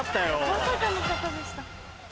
まさかの方でした。